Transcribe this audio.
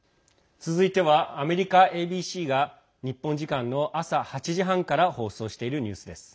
続いてはアメリカＡＢＣが日本時間の朝８時半から放送しているニュースです。